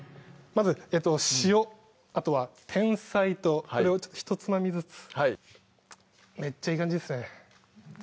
まず塩あとは甜菜糖これをひとつまみずつはいめっちゃいい感じですね